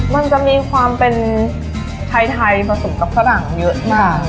มันจะมีความเป็นไทยผสมกับฝรั่งเยอะมาก